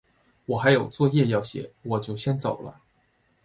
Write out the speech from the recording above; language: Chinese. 我还有作业要写，我就先走了。